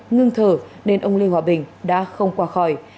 ngưng thở nên ông lê hòa bình đã không qua khỏi